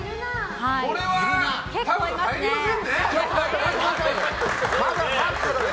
これは多分入りませんね。